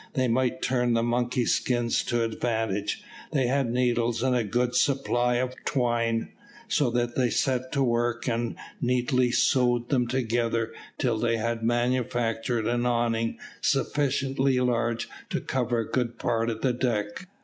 They might turn the monkey skins to advantage. They had needles and a good supply of twine, so they set to work and neatly sewed them together till they had manufactured an awning sufficiently large to cover a good part of the deck.